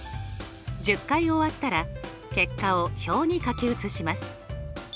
１０回終わったら結果を表に書き写します。